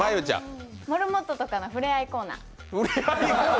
モルモットとかのふれあいコーナー。